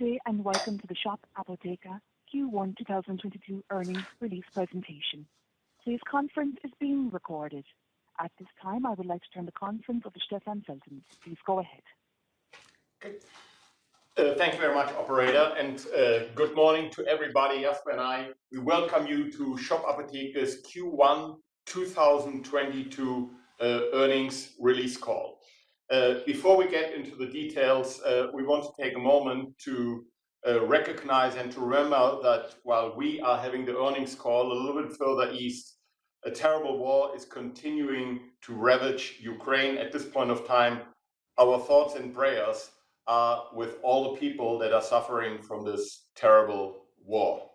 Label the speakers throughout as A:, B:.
A: Good day, and welcome to the Shop Apotheke Q1 2022 earnings release presentation. Today's conference is being recorded. At this time, I would like to turn the conference over to Stefan Feltens. Please go ahead.
B: Thank you very much, operator. Good morning to everybody. Jasper and I, we welcome you to Shop Apotheke's Q1 2022 earnings release call. Before we get into the details, we want to take a moment to recognize and to remind that while we are having the earnings call, a little bit further east, a terrible war is continuing to ravage Ukraine. At this point of time, our thoughts and prayers are with all the people that are suffering from this terrible war.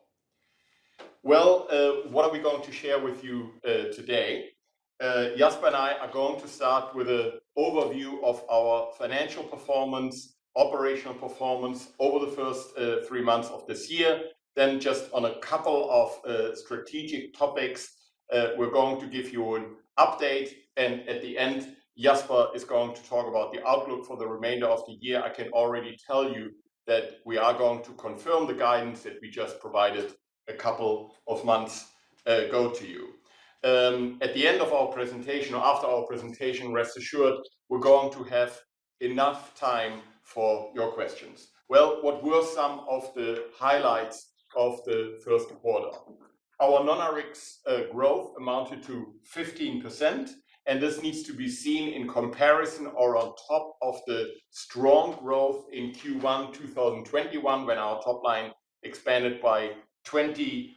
B: What are we going to share with you today? Jasper and I are going to start with an overview of our financial performance, operational performance over the first three months of this year. Just on a couple of strategic topics, we're going to give you an update, and at the end, Jasper is going to talk about the outlook for the remainder of the year. I can already tell you that we are going to confirm the guidance that we just provided a couple of months ago to you. At the end of our presentation or after our presentation, rest assured we're going to have enough time for your questions. Well, what were some of the highlights of the first quarter? Our non-Rx growth amounted to 15%, and this needs to be seen in comparison or on top of the strong growth in Q1 2021, when our top line expanded by 22%.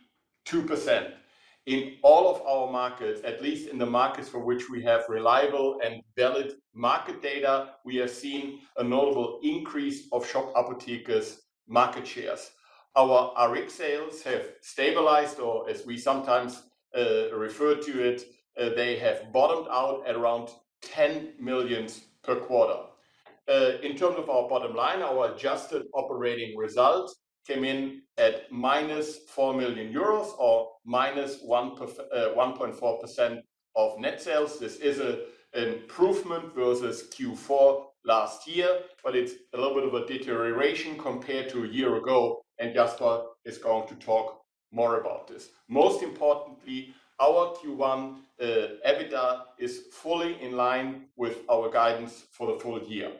B: In all of our markets, at least in the markets for which we have reliable and valid market data, we have seen a notable increase of Shop Apotheke's market shares. Our Rx sales have stabilized, or as we sometimes refer to it, they have bottomed out at around 10 million per quarter. In terms of our bottom line, our adjusted operating results came in at minus 4 million euros or minus 1.4% of net sales. This is a improvement versus Q4 last year, but it's a little bit of a deterioration compared to a year ago, and Jasper is going to talk more about this. Most importantly, our Q1 EBITDA is fully in line with our guidance for the full year.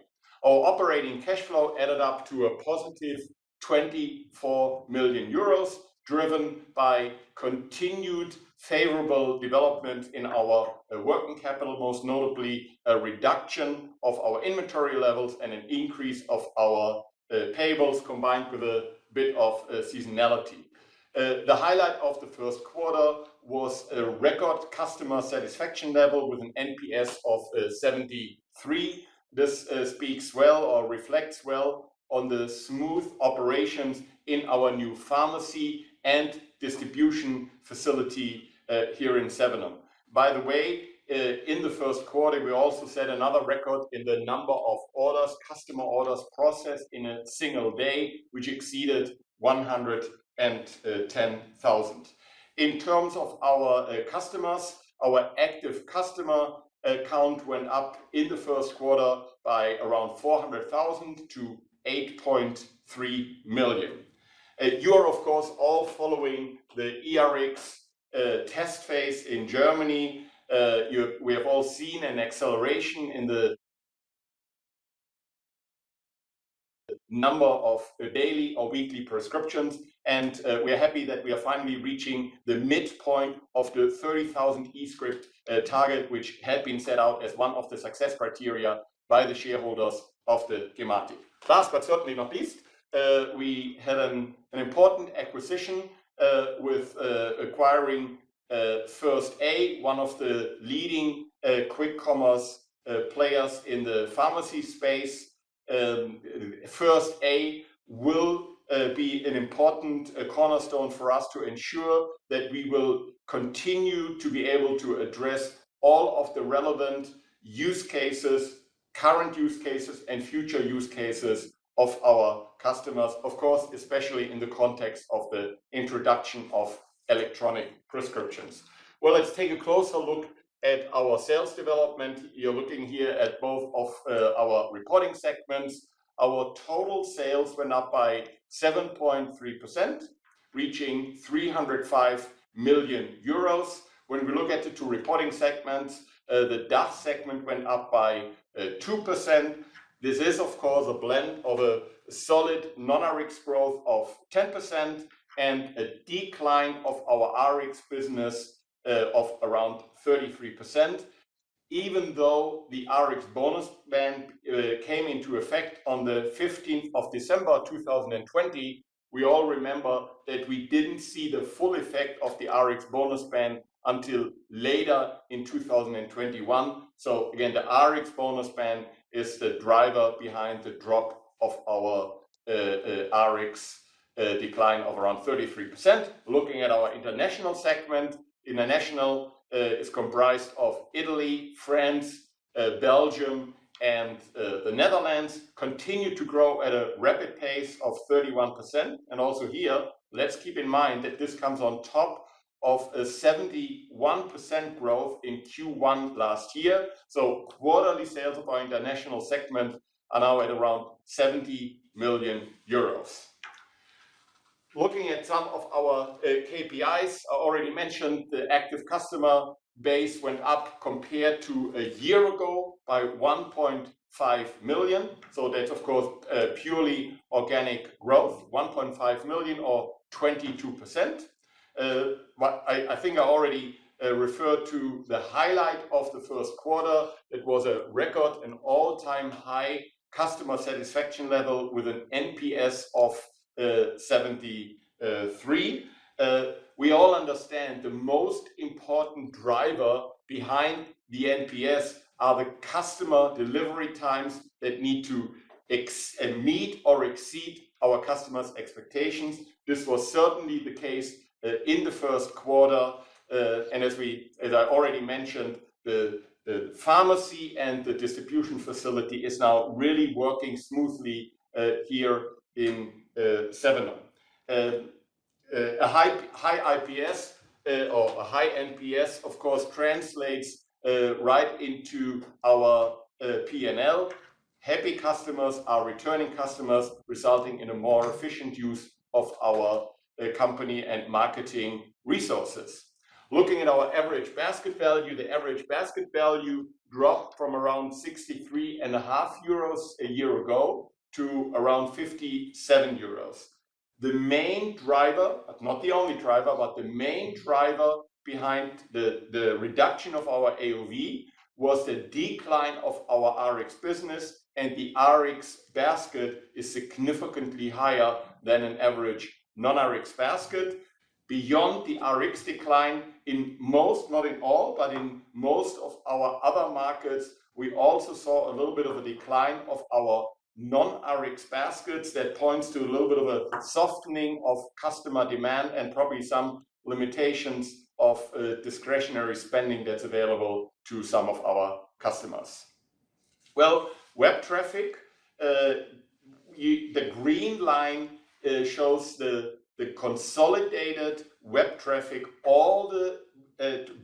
B: Our operating cash flow added up to a positive 24 million euros, driven by continued favorable development in our working capital, most notably a reduction of our inventory levels and an increase of our payables combined with a bit of seasonality. The highlight of the first quarter was a record customer satisfaction level with an NPS of 73. This speaks well or reflects well on the smooth operations in our new pharmacy and distribution facility here in Sevenum. By the way, in the first quarter, we also set another record in the number of orders, customer orders processed in a single day, which exceeded 110,000. In terms of our customers, our active customer account went up in the first quarter by around 400,000 to 8.3 million. You are of course all following the eRx test phase in Germany. We have all seen an acceleration in the number of daily or weekly prescriptions, and we're happy that we are finally reaching the midpoint of the 30,000 eScript target, which had been set out as one of the success criteria by the shareholders of the gematik. Last but certainly not least, we had an important acquisition with acquiring FIRST A, one of the leading quick commerce players in the pharmacy space. FIRST A will be an important cornerstone for us to ensure that we will continue to be able to address all of the relevant use cases, current use cases, and future use cases of our customers, of course, especially in the context of the introduction of electronic prescriptions. Well, let's take a closer look at our sales development. You're looking here at both of our reporting segments. Our total sales were up by 7.3%, reaching 305 million euros. When we look at the two reporting segments, the DACH segment went up by 2%. This is, of course, a blend of a solid non-Rx growth of 10% and a decline of our Rx business of around 33%. Even though the Rx bonus ban came into effect on the 15th of December 2020, we all remember that we didn't see the full effect of the Rx bonus ban until later in 2021. Again, the Rx bonus ban is the driver behind the drop of our Rx decline of around 33%. Looking at our international segment, international is comprised of Italy, France, Belgium and the Netherlands continued to grow at a rapid pace of 31%. Also here, let's keep in mind that this comes on top of a 71% growth in Q1 last year. Quarterly sales of our international segment are now at around 70 million euros. Looking at some of our KPIs, I already mentioned the active customer base went up compared to a year ago by 1.5 million. That's of course purely organic growth, 1.5 million or 22%. But I think I already referred to the highlight of the first quarter. It was a record and all-time high customer satisfaction level with an NPS of 73. We all understand the most important driver behind the NPS are the customer delivery times that need to meet or exceed our customers' expectations. This was certainly the case in the first quarter. As I already mentioned, the pharmacy and the distribution facility is now really working smoothly here in Sevenum. A high NPS or a high NPS of course translates right into our PNL. Happy customers are returning customers, resulting in a more efficient use of our company and marketing resources. Looking at our average basket value, the average basket value dropped from around 63.5 euros a year ago to around 57 euros. The main driver, but not the only driver, but the main driver behind the reduction of our AOV was the decline of our Rx business, and the Rx basket is significantly higher than an average non-Rx basket. Beyond the Rx decline, in most, not in all, but in most of our other markets, we also saw a little bit of a decline of our non-Rx baskets. That points to a little bit of a softening of customer demand and probably some limitations of discretionary spending that's available to some of our customers. Well, web traffic. The green line shows the consolidated web traffic, all the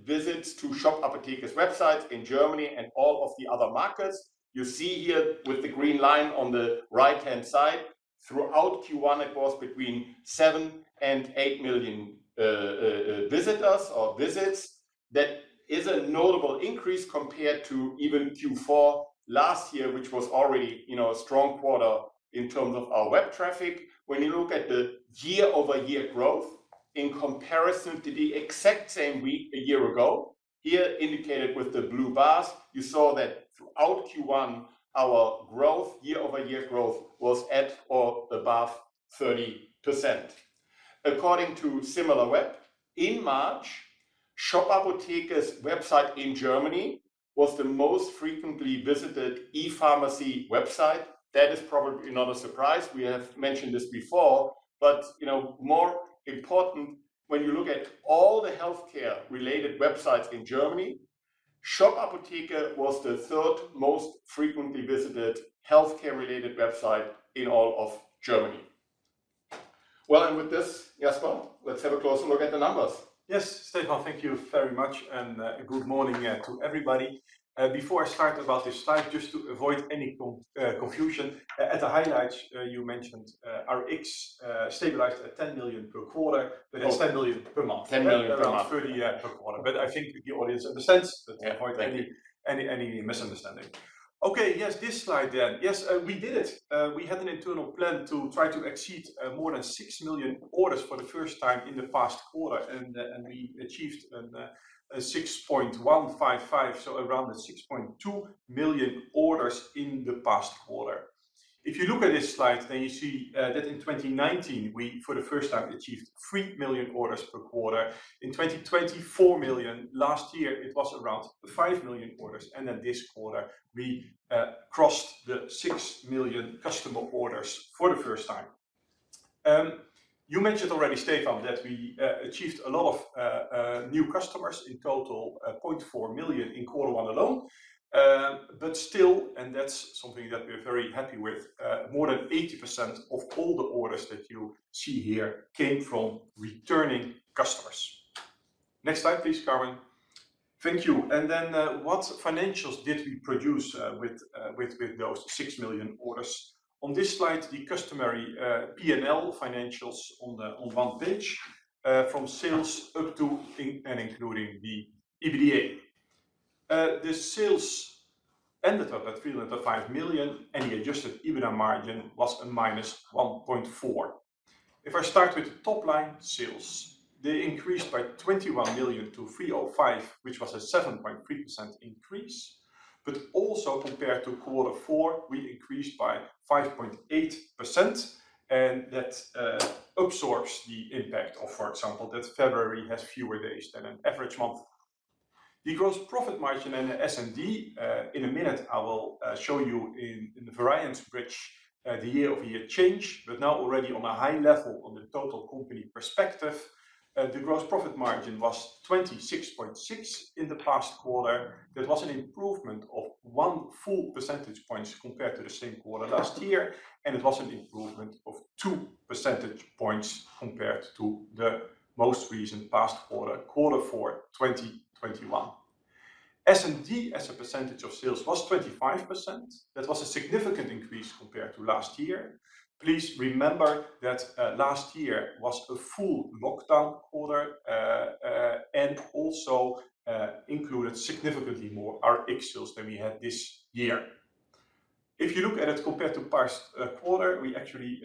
B: visits to Shop Apotheke's websites in Germany and all of the other markets. You see here with the green line on the right-hand side, throughout Q1, it was between 7 and 8 million visitors or visits. That is a notable increase compared to even Q4 last year, which was already, you know, a strong quarter in terms of our web traffic. When you look at the year-over-year growth in comparison to the exact same week a year ago, here indicated with the blue bars, you saw that throughout Q1, our growth, year-over-year growth was at or above 30%. According to Similarweb, in March, Shop Apotheke's website in Germany was the most frequently visited e-pharmacy website. That is probably not a surprise. We have mentioned this before, but, you know, more important, when you look at all the healthcare-related websites in Germany, Shop Apotheke was the third most frequently visited healthcare-related website in all of Germany. Well, with this, Jasper, let's have a closer look at the numbers.
C: Yes. Stefan, thank you very much and, good morning, to everybody. Before I start about this slide, just to avoid any confusion. At the highlights, you mentioned Rx stabilized at 10 million per quarter. It's 10 million per month.
B: 10 million per month.
C: Around 30, yeah, per quarter. I think the audience understands.
B: Yeah. Thank you.
C: To avoid any misunderstanding. Okay, yes. This slide then. Yes, we did it. We had an internal plan to try to exceed more than 6 million orders for the first time in the past quarter. We achieved a 6.155, so around the 6.2 million orders in the past quarter. If you look at this slide, you see that in 2019, we for the first time achieved 3 million orders per quarter. In 2020, 4 million. Last year it was around 5 million orders, and then this quarter we crossed the 6 million customer orders for the first time. You mentioned already, Stefan, that we achieved a lot of new customers, in total, 0.4 million in quarter one alone. That's something that we're very happy with, more than 80% of all the orders that you see here came from returning customers. Next slide, please, Karen. Thank you. What financials did we produce with those 6 million orders? On this slide, the customary PNL financials on one page, from sales up to and including the EBITDA. The sales ended up at 305 million, and the adjusted EBITDA margin was -1.4%. If I start with top line sales, they increased by 21 million to 305, which was a 7.3% increase. also compared to quarter four, we increased by 5.8%, and that absorbs the impact of, for example, that February has fewer days than an average month. The gross profit margin and the S&D, in a minute, I will show you in the variance which the year-over-year change, but now already on a high level on the total company perspective. The gross profit margin was 26.6 in the past quarter. That was an improvement of one full percentage points compared to the same quarter last year, and it was an improvement of two percentage points compared to the most recent past quarter four 2021. S&D as a percentage of sales was 25%. That was a significant increase compared to last year. Please remember that last year was a full lockdown quarter and also included significantly more Rx sales than we had this year. If you look at it compared to past quarter, we actually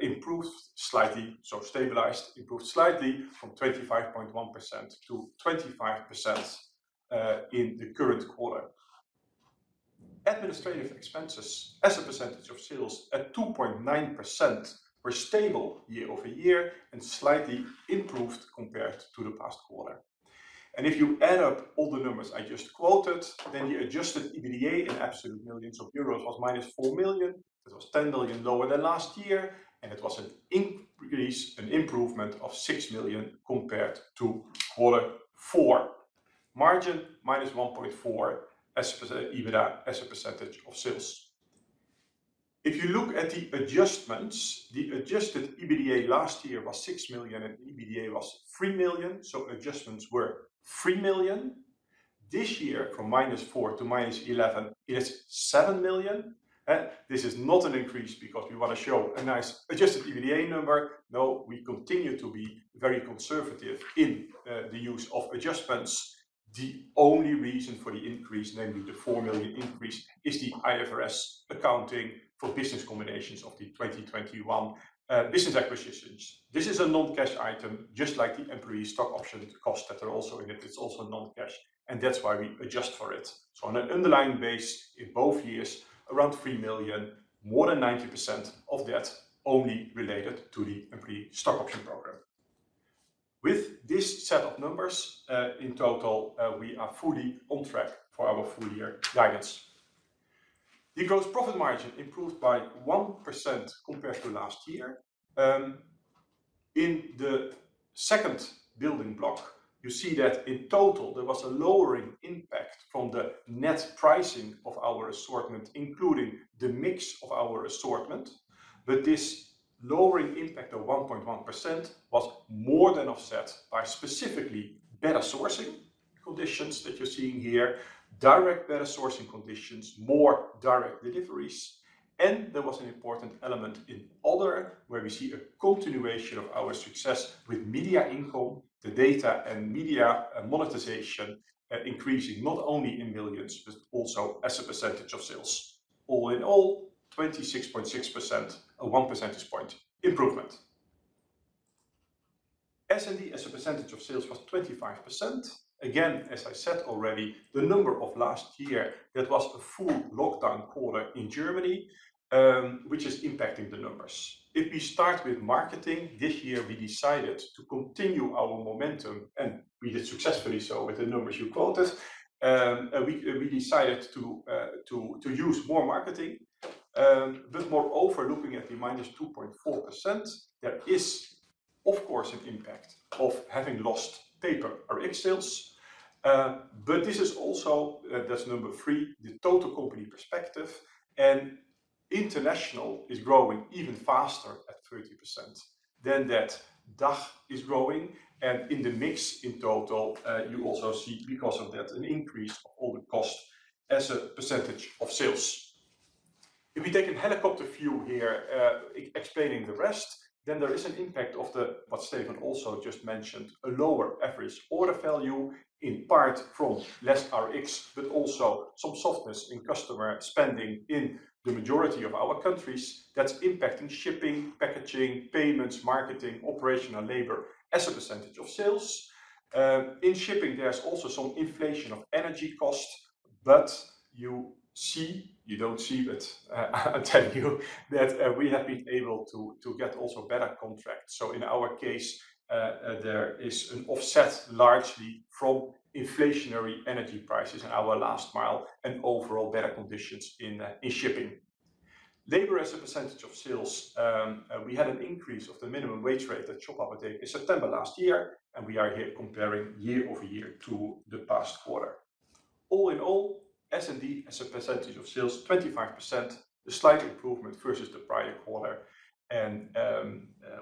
C: improved slightly, so stabilized, improved slightly from 25.1% to 25% in the current quarter. Administrative expenses as a percentage of sales at 2.9% were stable year-over-year and slightly improved compared to the past quarter. If you add up all the numbers I just quoted, then the adjusted EBITDA in absolute millions of euros was -4 million. That was 10 million lower than last year, and it was an increase, an improvement of 6 million compared to quarter four. Margin -1.4%, EBITDA as a percentage of sales. If you look at the adjustments, the adjusted EBITDA last year was 6 million, and EBITDA was 3 million, so adjustments were 3 million. This year, from -4 million to -11 million is 7 million. This is not an increase because we want to show a nice adjusted EBITDA number. No, we continue to be very conservative in the use of adjustments. The only reason for the increase, namely the 4 million increase is the IFRS accounting for business combinations of the 2021 business acquisitions. This is a non-cash item, just like the employee stock option costs that are also in it. It's also non-cash, and that's why we adjust for it. On an underlying base, in both years, around 3 million, more than 90% of that only related to the employee stock option program. With this set of numbers, in total, we are fully on track for our full year guidance. The gross profit margin improved by 1% compared to last year. In the second building block, you see that in total, there was a lowering impact from the net pricing of our assortment, including the mix of our assortment. This lowering impact of 1.1% was more than offset by specifically better sourcing conditions that you're seeing here, direct better sourcing conditions, more direct deliveries. There was an important element in other, where we see a continuation of our success with media income, the data and media monetization, increasing not only in millions, but also as a percentage of sales. All in all, 26.6%, a 1% point improvement. S&D as a percentage of sales was 25%. Again, as I said already, the number of last year, that was a full lockdown quarter in Germany, which is impacting the numbers. If we start with marketing, this year we decided to continue our momentum, and we did successfully so with the numbers you quoted. We decided to use more marketing, a bit more overlooking at the -2.4%. That is, of course, an impact of having lost paper or Rx sales. But this is also, that's number three, the total company perspective. International is growing even faster at 30% than that DACH is growing. In the mix in total, you also see because of that, an increase of all the cost as a percentage of sales. If you take a helicopter view here, explaining the rest, then there is an impact of what Stefan also just mentioned, a lower average order value in part from less Rx, but also some softness in customer spending in the majority of our countries that's impacting shipping, packaging, payments, marketing, operational labor as a percentage of sales. In shipping, there's also some inflation of energy costs, but I tell you that we have been able to get also better contracts. In our case, there is an offset largely from inflationary energy prices in our last mile and overall better conditions in shipping. Labor as a percentage of sales, we had an increase of the minimum wage rate at Shop Apotheke in September last year, and we are here comparing year-over-year to the past quarter. All in all, S&D as a percentage of sales, 25%, a slight improvement versus the prior quarter.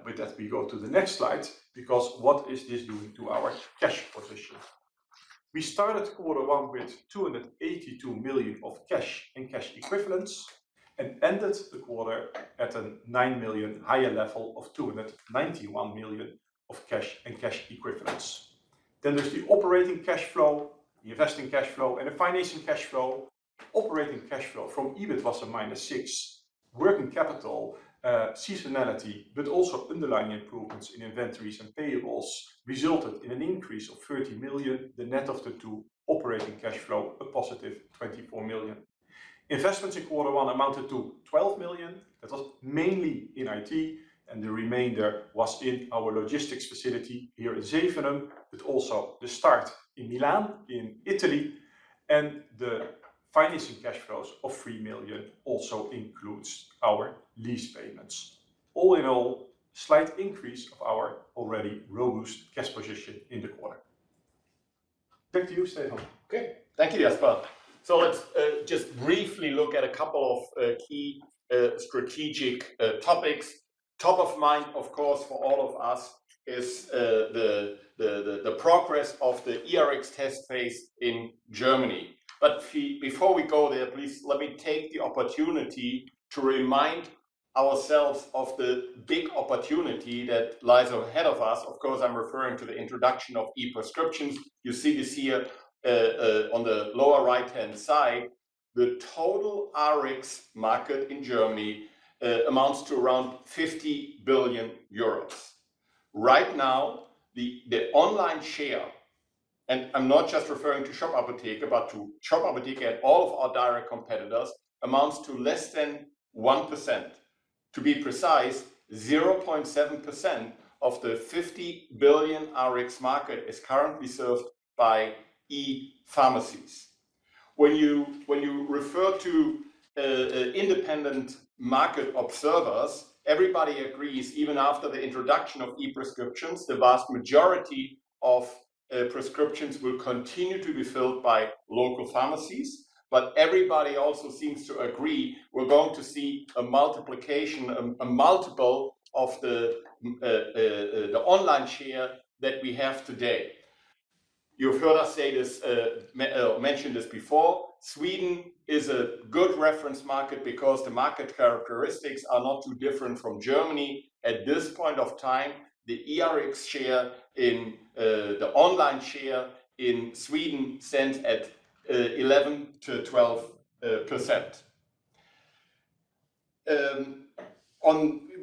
C: With that, we go to the next slide because what is this doing to our cash position? We started quarter one with 282 million of cash and cash equivalents and ended the quarter at a 9 million higher level of 291 million of cash and cash equivalents. There's the operating cash flow, the investing cash flow, and the financing cash flow. Operating cash flow from EBIT was a minus six. Working capital, seasonality, but also underlying improvements in inventories and payables resulted in an increase of 30 million, the net of the two operating cash flow, a positive 24 million. Investments in quarter one amounted to 12 million. That was mainly in IT, and the remainder was in our logistics facility here in Sevenum, but also the start in Milan, in Italy. The financing cash flows of 3 million also includes our lease payments. All in all, slight increase of our already robust cash position in the quarter. Back to you, Stefan.
B: Okay. Thank you, Jasper. Let's just briefly look at a couple of key strategic topics. Top of mind, of course, for all of us is the progress of the eRx test phase in Germany. Before we go there, please let me take the opportunity to remind ourselves of the big opportunity that lies ahead of us. Of course, I'm referring to the introduction of e-prescriptions. You see this here on the lower right-hand side. The total Rx market in Germany amounts to around 50 billion euros. Right now, the online share, and I'm not just referring to Shop Apotheke, but to Shop Apotheke and all of our direct competitors, amounts to less than 1%. To be precise, 0.7% of the 50 billion Rx market is currently served by e-pharmacies. When you refer to independent market observers, everybody agrees, even after the introduction of e-prescriptions, the vast majority of prescriptions will continue to be filled by local pharmacies. Everybody also seems to agree we're going to see a multiple of the online share that we have today. You've heard us mention this before. Sweden is a good reference market because the market characteristics are not too different from Germany. At this point in time, the eRx share in the online share in Sweden stands at 11%-12%.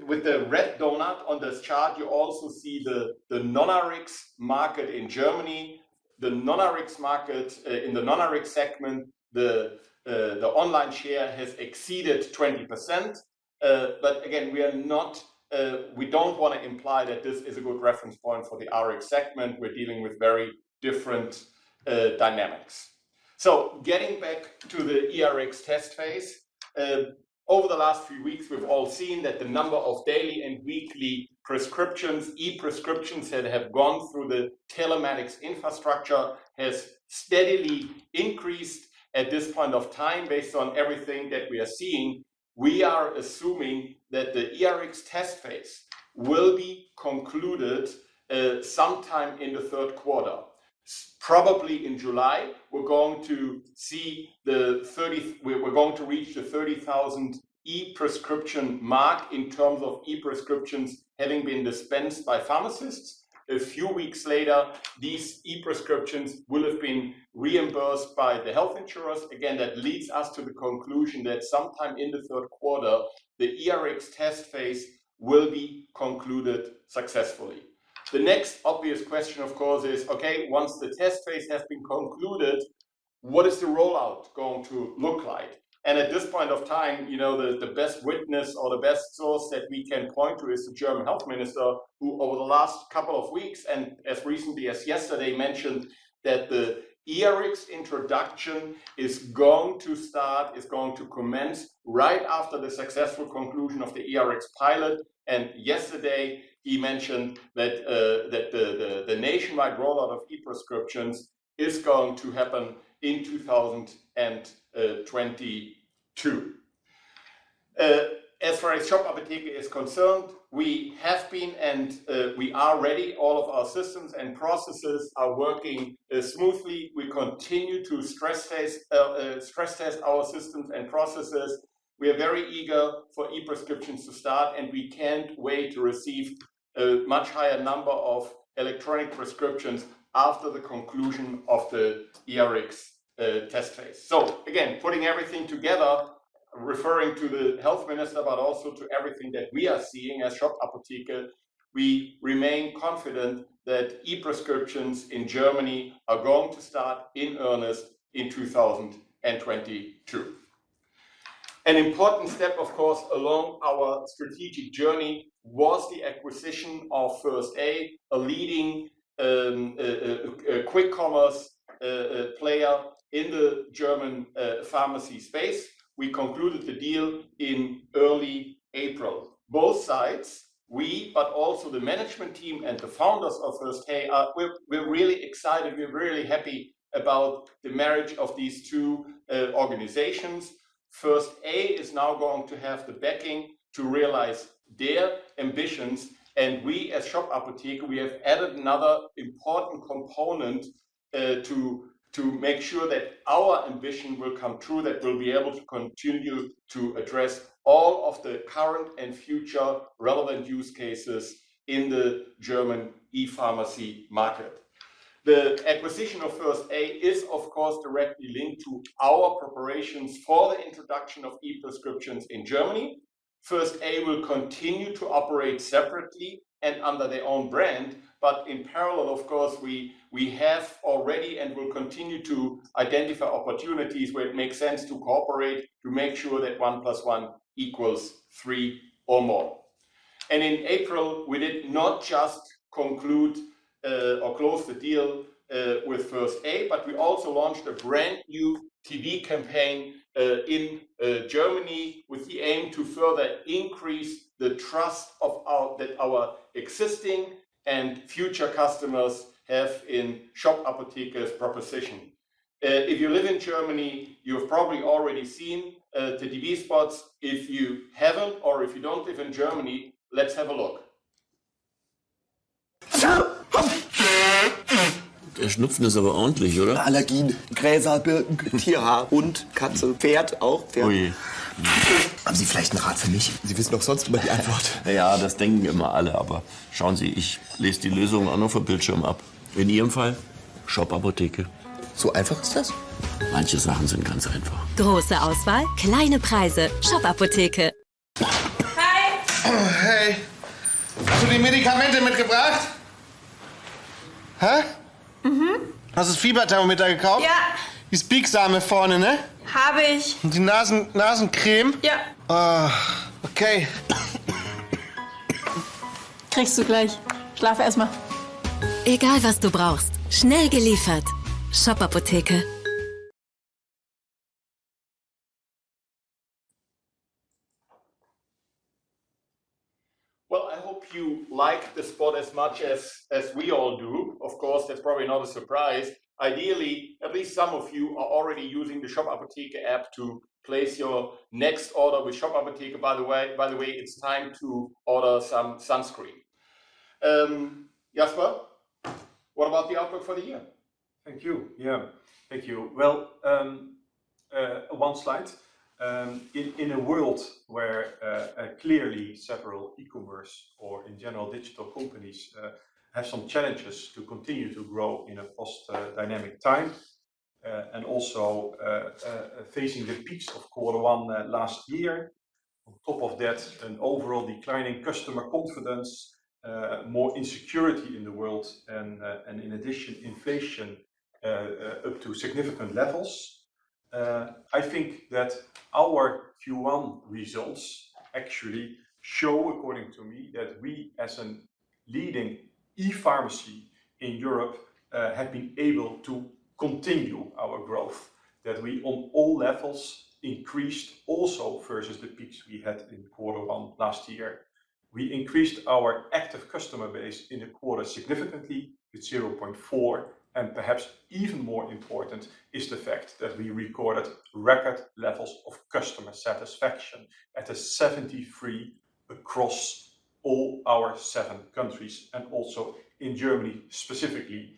B: With the red donut on this chart, you also see the non-Rx market in Germany. The non-Rx market in the non-Rx segment, the online share has exceeded 20%. Again, we are not, we don't wanna imply that this is a good reference point for the Rx segment. We're dealing with very different, dynamics. Getting back to the eRx test phase. Over the last few weeks, we've all seen that the number of daily and weekly prescriptions, e-prescriptions that have gone through the telematics infrastructure has steadily increased. At this point of time, based on everything that we are seeing, we are assuming that the eRx test phase will be concluded, sometime in the third quarter. Probably in July, we're going to reach the 30,000 e-prescription mark in terms of e-prescriptions having been dispensed by pharmacists. A few weeks later, these e-prescriptions will have been reimbursed by the health insurers. Again, that leads us to the conclusion that sometime in the third quarter, the eRx test phase will be concluded successfully. The next obvious question, of course, is once the test phase has been concluded, what is the rollout going to look like? At this point of time, you know, the best witness or the best source that we can point to is the German health minister, who over the last couple of weeks, and as recently as yesterday, mentioned that the eRx introduction is going to start, is going to commence right after the successful conclusion of the eRx pilot. Yesterday, he mentioned that the nationwide rollout of e-prescriptions is going to happen in 2022. As far as Shop Apotheke is concerned, we have been and we are ready. All of our systems and processes are working smoothly. We continue to stress test our systems and processes. We are very eager for e-prescriptions to start, and we can't wait to receive a much higher number of electronic prescriptions after the conclusion of the eRX test phase. Putting everything together, referring to the health minister, but also to everything that we are seeing as Shop Apotheke, we remain confident that e-prescriptions in Germany are going to start in earnest in 2022. An important step, of course, along our strategic journey was the acquisition of First A, a leading quick commerce player in the German pharmacy space. We concluded the deal in early April. Both sides, we, but also the management team and the founders of First A, we're really excited, we're really happy about the marriage of these two organizations. First A is now going to have the backing to realize their ambitions, and we as Shop Apotheke, we have added another important component to make sure that our ambition will come true, that we'll be able to continue to address all of the current and future relevant use cases in the German e-pharmacy market. The acquisition of First A is of course directly linked to our preparations for the introduction of e-prescriptions in Germany. FIRST A will continue to operate separately and under their own brand, but in parallel of course, we have already and will continue to identify opportunities where it makes sense to cooperate to make sure that one plus one equals three or more. In April, we did not just conclude or close the deal with FIRST A, but we also launched a brand new TV campaign in Germany with the aim to further increase the trust that our existing and future customers have in Shop Apotheke's proposition. If you live in Germany, you've probably already seen the TV spots. If you haven't or if you don't live in Germany, let's have a look. Well, I hope you like the spot as much as we all do. Of course, that's probably not a surprise. Ideally, at least some of you are already using the Shop Apotheke app to place your next order with Shop Apotheke. By the way, it's time to order some sunscreen. Jasper, what about the outlook for the year?
C: Thank you. Yeah. Thank you. Well, on one slide. In a world where clearly several e-commerce or in general digital companies have some challenges to continue to grow in a fast dynamic time and also facing the peaks of quarter one last year. On top of that, an overall declining customer confidence, more insecurity in the world and in addition, inflation up to significant levels. I think that our Q1 results actually show, according to me, that we as a leading e-pharmacy in Europe have been able to continue our growth. That we on all levels increased also versus the peaks we had in quarter one last year. We increased our active customer base in the quarter significantly with 0.4, and perhaps even more important is the fact that we recorded record levels of customer satisfaction at a 73 across all our seven countries and also in Germany specifically.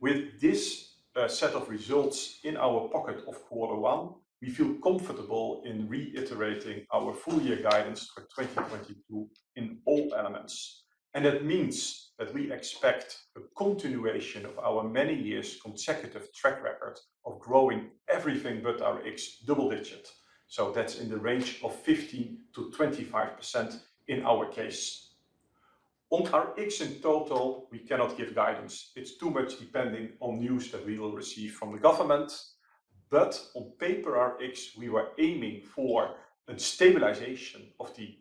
C: With this set of results in our pocket for quarter one, we feel comfortable in reiterating our full year guidance for 2022 in all elements. That means that we expect a continuation of our many years consecutive track record of growing everything but our X double digits. That's in the range of 15%-25% in our case. On our X in total, we cannot give guidance. It's too much depending on news that we will receive from the government. On paper, our Rx, we were aiming for a stabilization of the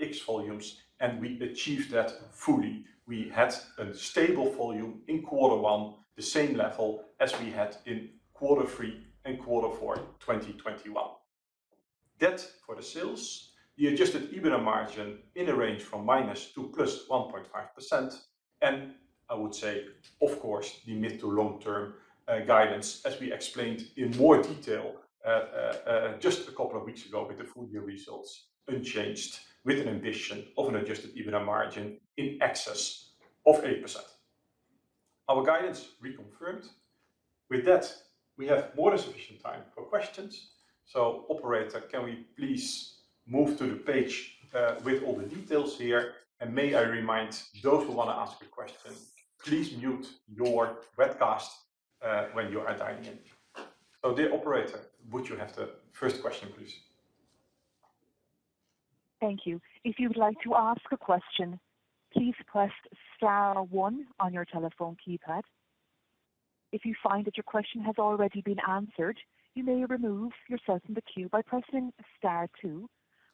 C: Rx volumes, and we achieved that fully. We had a stable volume in quarter one, the same level as we had in quarter three and quarter four, 2021. That for the sales. The adjusted EBITDA margin in a range from - to +1.5%, and I would say, of course, the mid to long term guidance, as we explained in more detail, just a couple of weeks ago with the full year results unchanged with an ambition of an adjusted EBITDA margin in excess of 8%. Our guidance reconfirmed. With that, we have more than sufficient time for questions. Operator, can we please move to the page with all the details here? May I remind those who want to ask a question, please mute your webcast when you are dialing in. Dear operator, would you have the first question, please?
A: Thank you. If you would like to ask a question, please press star one on your telephone keypad. If you find that your question has already been answered, you may remove yourself from the queue by pressing star two.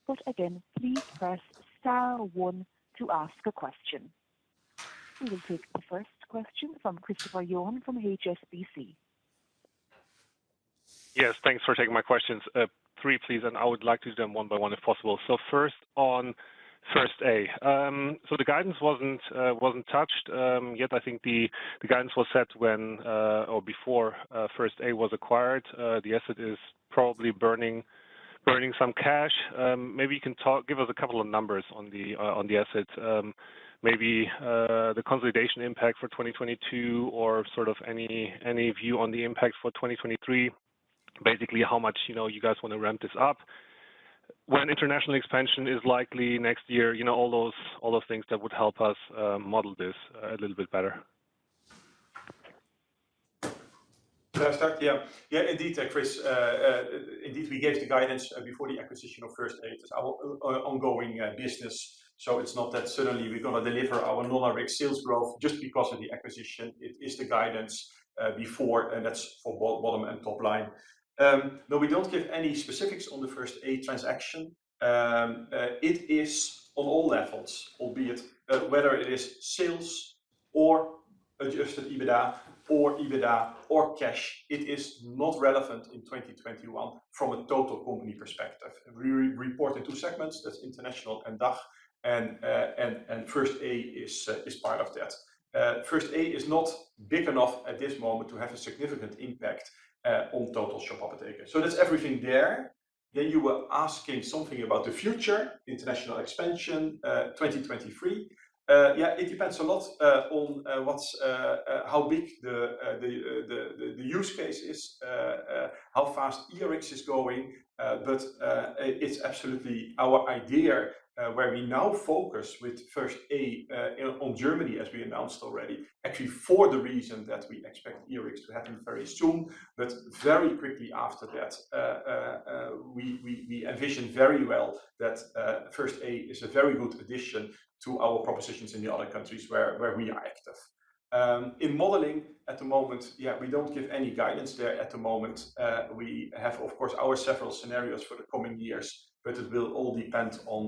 A: But again, please press star one to ask a question. We will take the first question from Christopher Johnen from HSBC.
D: Yes, thanks for taking my questions. Three, please, and I would like to do them one by one if possible. First on First A. The guidance wasn't touched. Yet I think the guidance was set when or before First A was acquired. The asset is probably burning some cash. Maybe you can give us a couple of numbers on the assets. Maybe the consolidation impact for 2022 or sort of any view on the impact for 2023. Basically, how much you guys wanna ramp this up? When international expansion is likely next year? You know, all those things that would help us model this a little bit better.
C: Can I start? Yeah. Yeah, indeed, Chris. Indeed we gave the guidance before the acquisition of First A. It is our ongoing business. It's not that suddenly we're gonna deliver our normal rate sales growth just because of the acquisition. It is the guidance before, and that's for bottom and top line. No, we don't give any specifics on the First A transaction. It is on all levels, albeit whether it is sales or adjusted EBITDA, or EBITDA or cash. It is not relevant in 2021 from a total company perspective. We're reporting two segments, that's international and DACH, and First A is part of that. First A is not big enough at this moment to have a significant impact on total Shop Apotheke. That's everything there. You were asking something about the future, international expansion, 2023. Yeah, it depends a lot on what's how big the use case is, how fast eRx is going. It's absolutely our idea where we now focus with First A on Germany, as we announced already, actually for the reason that we expect eRx to happen very soon. Very quickly after that, we envision very well that First A is a very good addition to our propositions in the other countries where we are active. In modeling at the moment, we don't give any guidance there at the moment. We have, of course, our several scenarios for the coming years, but it will all depend on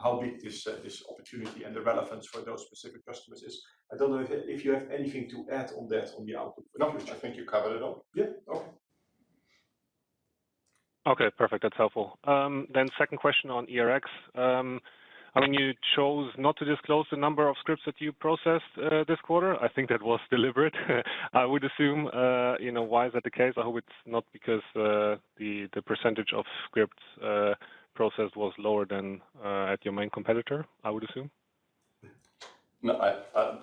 C: how big this opportunity and the relevance for those specific customers is. I don't know if you have anything to add on that on the output.
B: No, I think you covered it all.
C: Yeah. Okay.
D: Okay. Perfect. That's helpful. Second question on eRx. I mean, you chose not to disclose the number of scripts that you processed, this quarter. I think that was deliberate. I would assume, you know, why is that the case? I hope it's not because, the percentage of scripts processed was lower than at your main competitor, I would assume.
B: No.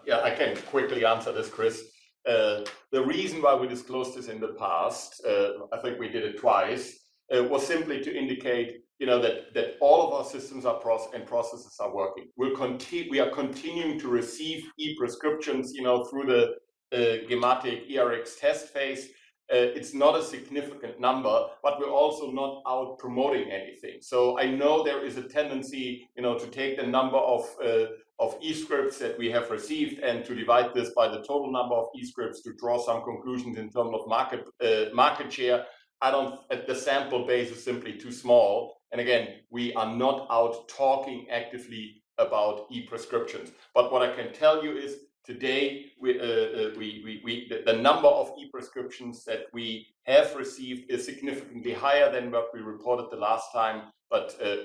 B: Yeah, I can quickly answer this, Chris. The reason why we disclosed this in the past, I think we did it twice, was simply to indicate, you know, that all of our systems and processes are working. We are continuing to receive e-prescriptions, you know, through the gematik eRx test phase. It's not a significant number, but we're also not out promoting anything. I know there is a tendency, you know, to take the number of e-scripts that we have received and to divide this by the total number of e-scripts to draw some conclusions in terms of market share. The sample base is simply too small, and again, we are not out talking actively about e-prescriptions. What I can tell you is today the number of e-prescriptions that we have received is significantly higher than what we reported the last time.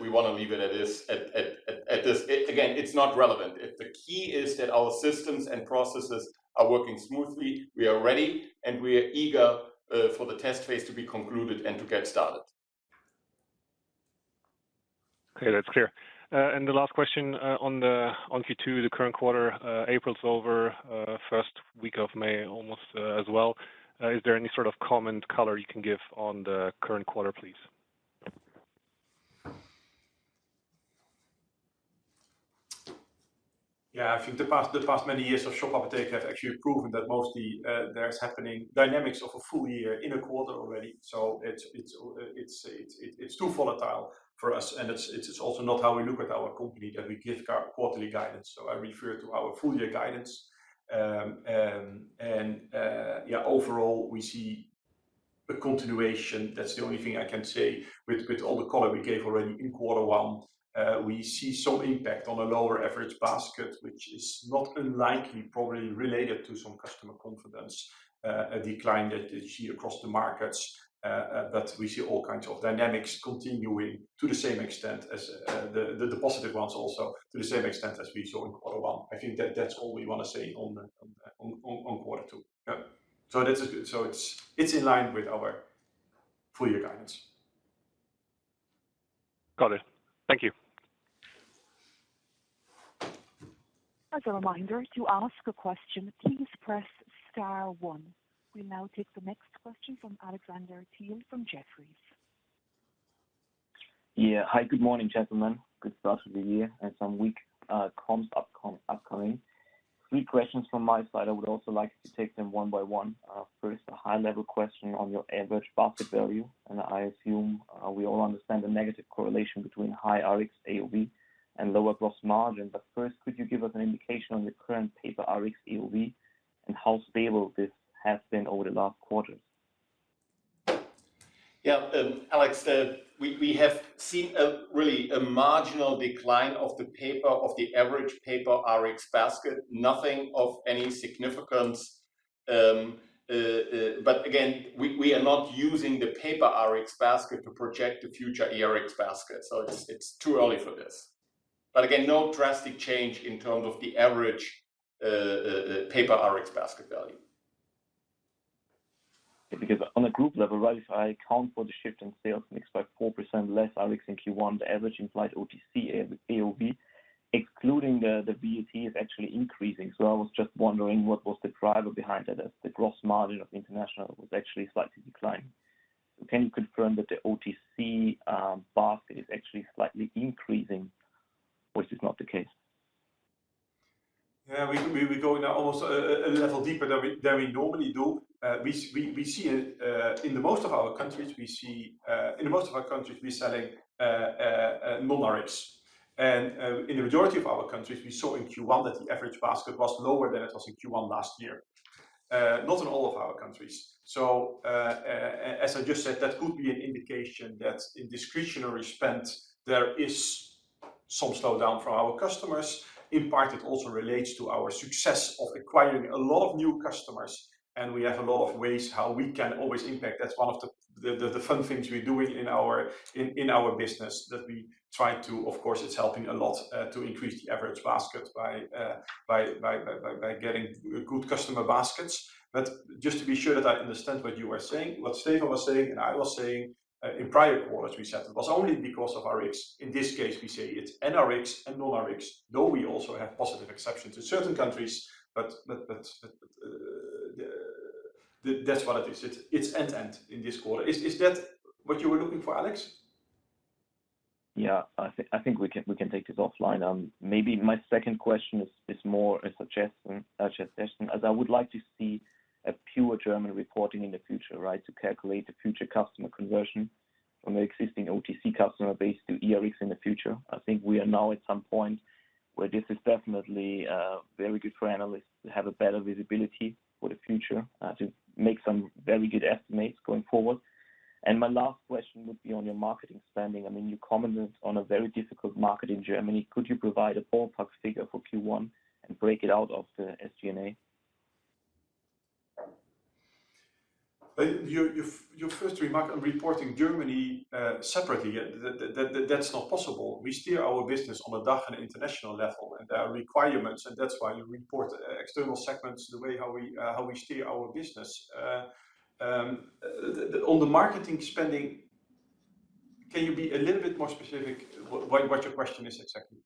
B: We wanna leave it at this. It's not relevant. The key is that our systems and processes are working smoothly. We are ready, and we are eager for the test phase to be concluded and to get started.
D: Okay. That's clear. The last question on Q2, the current quarter. April's over, first week of May almost, as well. Is there any sort of comment color you can give on the current quarter, please?
C: Yeah. I think the past many years of Shop Apotheke have actually proven that mostly, there's happening dynamics of a full year in a quarter already. It's too volatile for us, and it's also not how we look at our company that we give our quarterly guidance. I refer to our full year guidance. Yeah, overall, we see a continuation. That's the only thing I can say. With all the color we gave already in Q1, we see some impact on a lower average basket, which is not unlikely, probably related to some customer confidence, a decline that you see across the markets. We see all kinds of dynamics continuing to the same extent as the positive ones also to the same extent as we saw in quarter one. I think that's all we wanna say on Q2.Yeah. It's in line with our full year guidance.
D: Got it. Thank you.
A: As a reminder, to ask a question, please press star one. We now take the next question from Alexander Thiel from Jefferies.
E: Hi, good morning, gentlemen. Good start to the year and some weak upcoming comms. Three questions from my side. I would also like to take them one by one. First, a high-level question on your average basket value, and I assume we all understand the negative correlation between high Rx AOV and lower gross margin. First, could you give us an indication on the current per Rx AOV and how stable this has been over the last quarters?
B: Yeah. Alex, we have seen a really marginal decline of the average paper Rx basket, nothing of any significance. Again, we are not using the paper Rx basket to project the future eRx basket, so it's too early for this. Again, no drastic change in terms of the average paper Rx basket value.
E: Because on a group level, right, if I account for the shift in sales mix by 4% less Rx in Q1, the average implied OTC AOV, excluding the VAT, is actually increasing. I was just wondering what was the driver behind that, as the gross margin of international was actually slightly declined. Can you confirm that the OTC basket is actually slightly increasing, which is not the case?
C: Yeah. We're going almost a level deeper than we normally do. We see in most of our countries we're selling non-Rx. In the majority of our countries, we saw in Q1 that the average basket was lower than it was in Q1 last year. Not in all of our countries. As I just said, that could be an indication that in discretionary spend, there is some slowdown from our customers. In part, it also relates to our success of acquiring a lot of new customers, and we have a lot of ways how we can always impact. That's one of the fun things we do in our business that we try to. Of course, it's helping a lot to increase the average basket by getting good customer baskets. Just to be sure that I understand what you are saying, what Stefan was saying and I was saying in prior quarters, we said it was only because of Rx. In this case, we say it's NRx and non-Rx, though we also have positive exceptions in certain countries, but that's what it is. It's end-to-end in this quarter. Is that what you were looking for, Alex?
E: Yeah. I think we can take this offline. Maybe my second question is more a suggestion, as I would like to see a pure German reporting in the future, right? To calculate the future customer conversion from the existing OTC customer base to eRx in the future. I think we are now at some point where this is definitely very good for analysts to have a better visibility for the future, to make some very good estimates going forward. My last question would be on your marketing spending. I mean, you commented on a very difficult market in Germany. Could you provide a ballpark figure for Q1 and break it out of the SG&A?
C: Your first remark on reporting Germany separately, that's not possible. We steer our business on a DACH and international level, and there are requirements, and that's why we report external segments the way how we steer our business. On the marketing spending, can you be a little bit more specific what your question is exactly?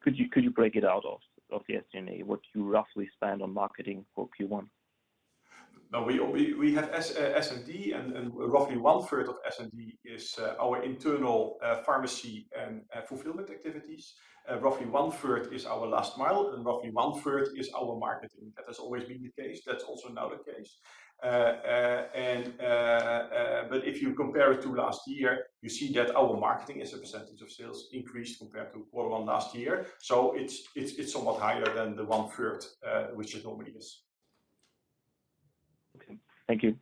E: Could you break it out of the SG&A, what you roughly spend on marketing for Q1?
C: No, we have S&D and roughly one-third of S&D is our internal pharmacy and fulfillment activities. Roughly one-third is our last mile, and roughly one-third is our marketing. That has always been the case. That's also now the case. But if you compare it to last year, you see that our marketing as a percentage of sales increased compared to quarter one last year. It's somewhat higher than the one-third, which it normally is.
E: Okay. Thank you.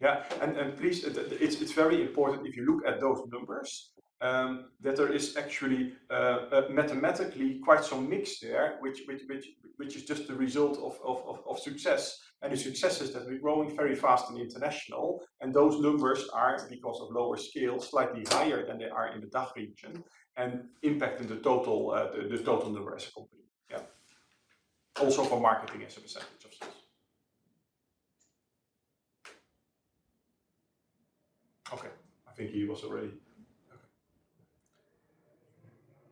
C: Yeah. Please, it's very important if you look at those numbers that there is actually mathematically quite some mix there which is just a result of success. The success is that we're growing very fast in the international, and those numbers are, because of lower scale, slightly higher than they are in the DACH region and impacting the total, the total numbers of the company. Yeah. Also for marketing as a percentage of sales. Okay.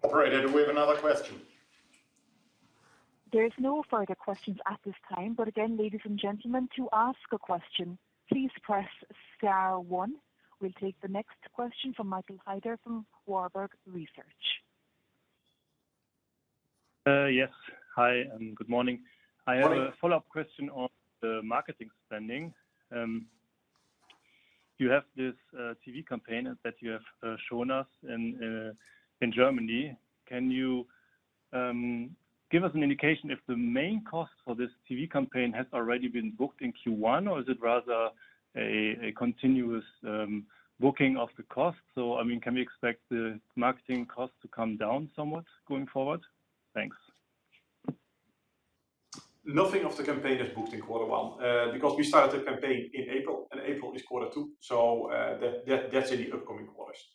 B: Operator, do we have another question?
A: There is no further questions at this time. Again, ladies and gentlemen, to ask a question, please press star one. We'll take the next question from Michael Heider from Warburg Research.
F: Yes. Hi, and good morning. I have a follow-up question on the marketing spending. You have this TV campaign that you have shown us in Germany. Can you give us an indication if the main cost for this TV campaign has already been booked in Q1, or is it rather a continuous booking of the cost? I mean, can we expect the marketing cost to come down somewhat going forward? Thanks.
C: Nothing of the campaign is booked in Q1, because we started the campaign in April, and April is Q2. That's in the upcoming quarters.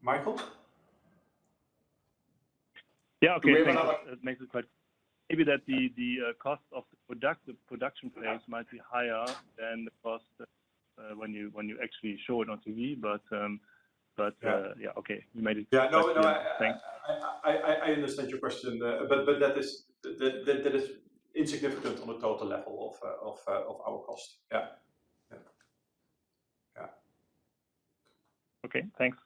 C: Michael?
F: That makes sense. Maybe the production phase might be higher than the cost when you actually show it on TV.
C: I understand your question, but that is insignificant on the total level of our cost. Yeah.
F: Okay. Thanks.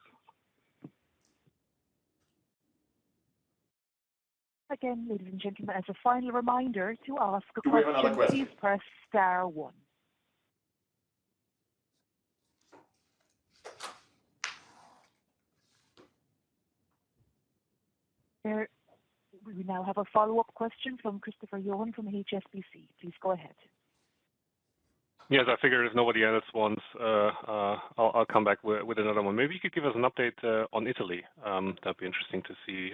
A: Again, ladies and gentlemen, as a final reminder, to ask a question. Please press star one. We now have a follow-up question from Christopher Johnen from HSBC. Please go ahead.
D: Yes. I figure if nobody else wants, I'll come back with another one. Maybe you could give us an update on Italy. That'd be interesting to see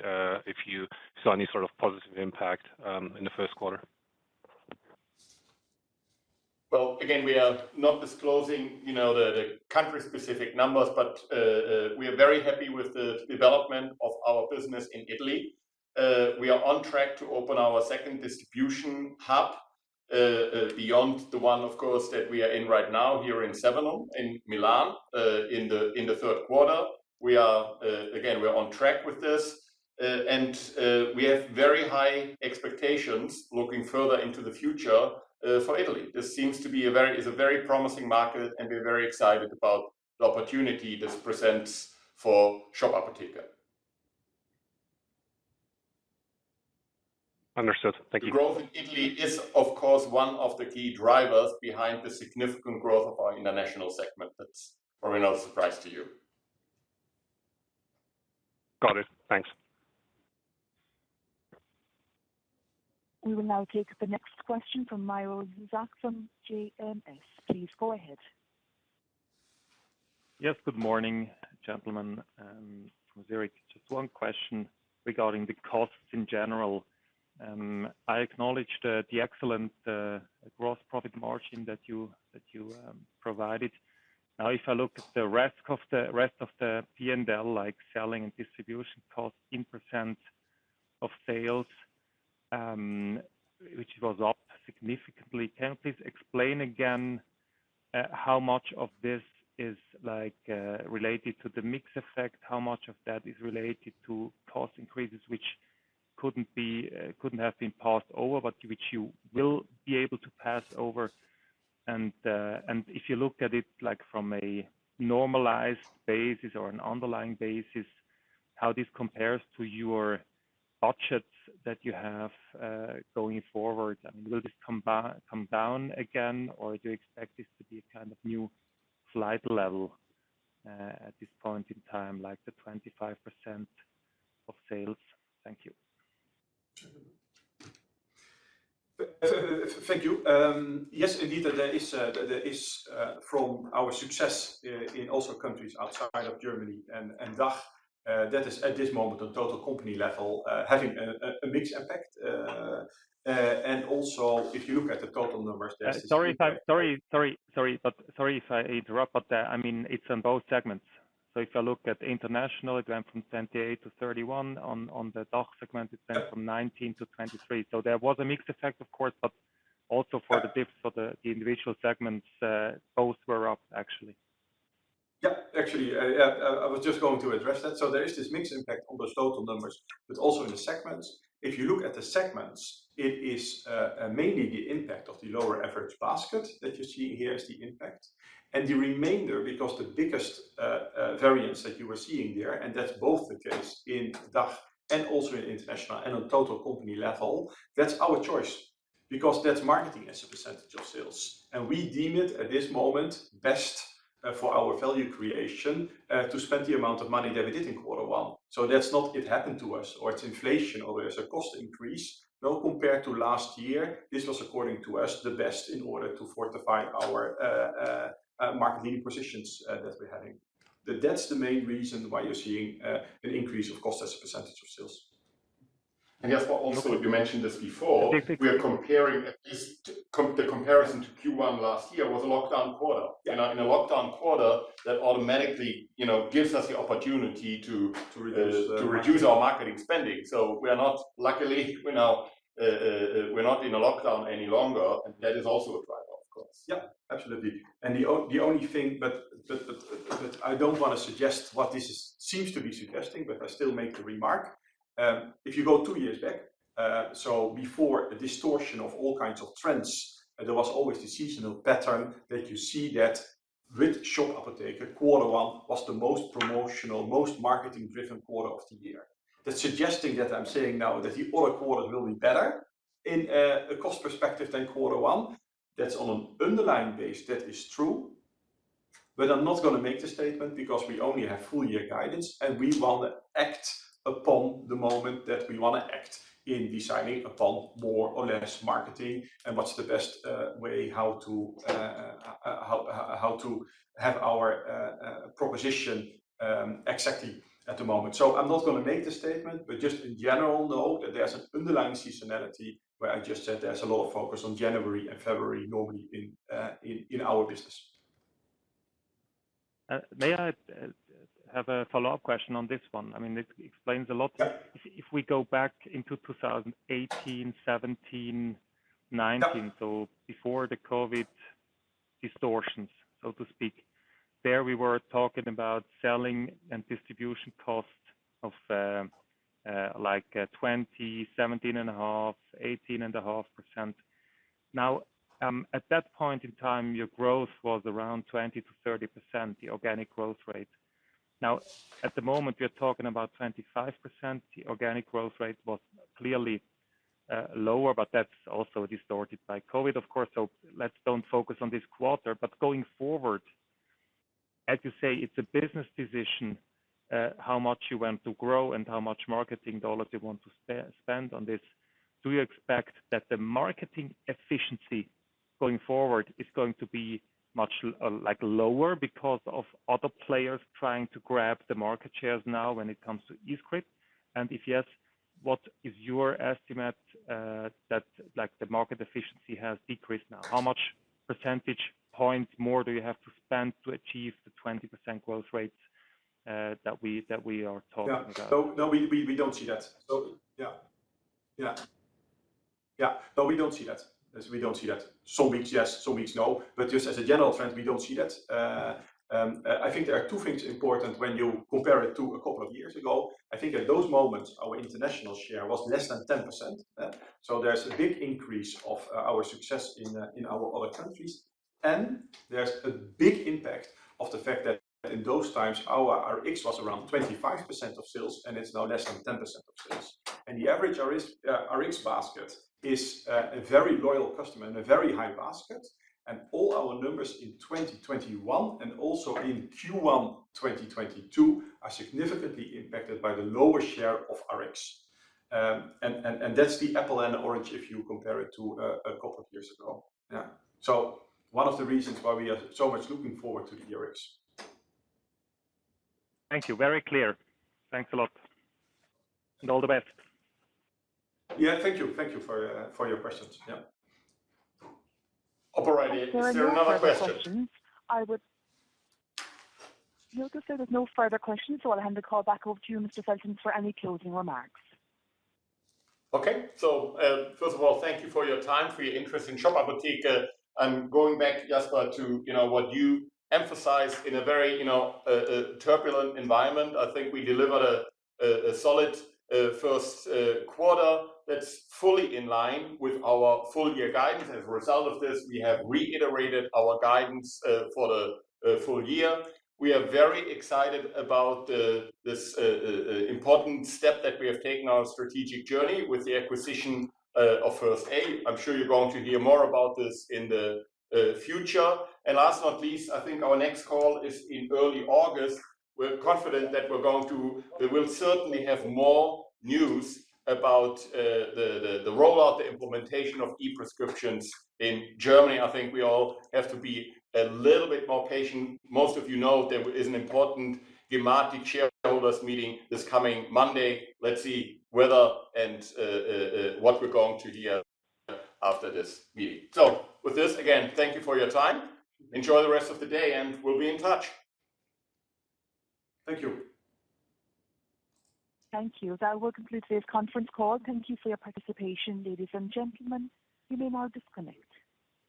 D: if you saw any sort of positive impact in the Q1.
C: Well, again, we are not disclosing, you know, the country-specific numbers, but we are very happy with the development of our business in Italy. We are on track to open our second distribution hub beyond the one, of course, that we are in right now here in Sevenum, in Milan, in the third quarter. We are again on track with this. We have very high expectations looking further into the future for Italy. This is a very promising market, and we're very excited about the opportunity this presents for Shop Apotheke.
D: Understood. Thank you.
C: The growth in Italy is, of course, one of the key drivers behind the significant growth of our international segment. That's probably not a surprise to you.
D: Got it. Thanks.
A: We will now take the next question from Milo Zack from JMS. Please go ahead.
G: Yes. Good morning, gentlemen, from Zurich. Just one question regarding the costs in general. I acknowledge the excellent gross profit margin that you provided. Now, if I look at the rest of the P&L, like selling and distribution costs in percent of sales, which was up significantly. Can you please explain again how much of this is like related to the mix effect? How much of that is related to cost increases, which couldn't have been passed over, but which you will be able to pass over? If you look at it like from a normalized basis or an underlying basis, how this compares to your budgets that you have going forward?will this come down again, or do you expect this to be a kind of new slight level at this point in time, like the 25% of sales? Thank you.
C: Thank you. Yes, indeed. There is from our success in also countries outside of Germany and DACH, that is at this moment on total company level, having a mixed impact. And also if you look at the total numbers.
G: Sorry if I interrupt, I mean, it's on both segments. If you look at international, it went from 28% to 31%. On the DACH segment, it went from 19% to 23%. There was a mix effect of course, but also for the dips for the individual segments, both were up actually.
C: Yeah. Actually, I was just going to address that. There is this mix impact on those total numbers, but also in the segments. If you look at the segments, it is mainly the impact of the lower average basket that you're seeing here is the impact. The remainder, because the biggest variance that you were seeing there, and that's both the case in DACH and also in international and on total company level, that's our choice because that's marketing as a percentage of sales. We deem it at this moment best for our value creation to spend the amount of money that we did in Q1. That's not it happened to us or it's inflation or there's a cost increase. No, compared to last year, this was according to us the best in order to fortify our marketing positions that we're having. That's the main reason why you're seeing an increase of cost as a percentage of sales.
B: Jasper also, you mentioned this before. The comparison to Q1 last year was a lockdown quarter. In a lockdown quarter, that automatically, you know, gives us the opportunity to reduce our marketing spending. Luckily, we're now not in a lockdown any longer, and that is also a driver of costs.
C: Yeah, absolutely. The only thing I don't wanna suggest what this is seems to be suggesting, but I still make the remark. If you go two years back, before a distortion of all kinds of trends, there was always the seasonal pattern that you see that with Shop Apotheke quarter one was the most promotional, most marketing-driven quarter of the year. That's suggesting that I'm saying now that the other quarters will be better in a cost perspective than Q1. That's on an underlying base, that is true. I'm not gonna make the statement because we only have full year guidance, and we wanna act upon the moment that we wanna act in deciding upon more or less marketing and what's the best way how to have our proposition exactly at the moment. I'm not gonna make the statement, but just in general know that there's an underlying seasonality where I just said there's a lot of focus on January and February normally in our business.
G: May I have a follow-up question on this one? I mean, it explains a lot. If we go back into 2018, 2017, 2019, so before the COVID distortions, so to speak, there we were talking about selling and distribution costs of, like, 20, 17.5, 18.5%. Now, at that point in time, your growth was around 20%-30%, the organic growth rate. Now, at the moment, we are talking about 25%. The organic growth rate was clearly lower, but that's also distorted by COVID, of course. Let's don't focus on this quarter. Going forward, as you say, it's a business decision, how much you want to grow and how much marketing dollars you want to spend on this. Do you expect that the marketing efficiency going forward is going to be much, like lower because of other players trying to grab the market shares now when it comes to eScript? If yes, what is your estimate, that like the market efficiency has decreased now? How much percentage points more do you have to spend to achieve the 20% growth rates, that we are talking about?
C: No, we don't see that. Some weeks yes, some weeks no. Just as a general trend, we don't see that. I think there are two things important when you compare it to a couple of years ago. I think at those moments, our international share was less than 10%. There's a big increase of our success in our other countries. There's a big impact of the fact that in those times our Rx was around 25% of sales, and it's now less than 10% of sales. The average Rx basket is a very loyal customer and a very high basket. All our numbers in 2021 and also in Q1 2022 are significantly impacted by the lower share of Rx. That's the apples and oranges if you compare it to a couple of years ago. One of the reasons why we are so much looking forward to the Rx.
G: Thank you. Very clear. Thanks a lot. All the best.
C: Yeah, thank you. Thank you for your questions. Yeah. Operator, is there another question?
A: Notice there was no further questions, so I'll hand the call back over to you, Mr. Feltens, for any closing remarks.
B: Okay. First of all, thank you for your time, for your interest in Shop Apotheke. I'm going back, Jasper, to you know, what you emphasized in a very you know, turbulent environment. I think we delivered a solid Q1 that's fully in line with our full year guidance. As a result of this, we have reiterated our guidance for the full year. We are very excited about this important step that we have taken on our strategic journey with the acquisition of FIRST A. I'm sure you're going to hear more about this in the future. Last but not least, I think our next call is in early August. We're confident that we will certainly have more news about the rollout, the implementation of e-prescriptions in Germany.
C: I think we all have to be a little bit more patient. Most of you know there is an important gematik shareholders meeting this coming Monday. Let's see whether and what we're going to hear after this meeting. With this, again, thank you for your time. Enjoy the rest of the day, and we'll be in touch. Thank you.
A: Thank you. That will conclude today's conference call. Thank you for your participation, ladies and gentlemen. You may now disconnect.